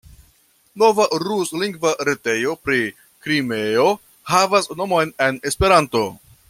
Nova ruslingva retejo pri Krimeo havas nomon en Esperanto.